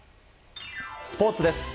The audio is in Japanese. スポーツです。